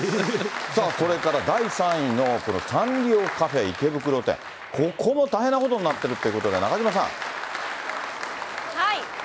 それから第３位のサンリオカフェ池袋店、ここも大変なことになってるっていうことで、中島さん。